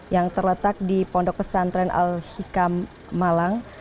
yang terletak di pondok pesantren al hikam malang